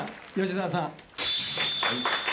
澤さん。